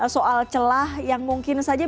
soal celah yang mungkin saja